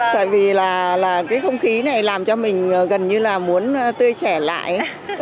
tại vì là cái không khí này làm cho mình gần như là muốn tươi trẻ lại